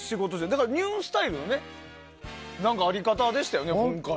だからニュースタイルな在り方でしたよね、今回。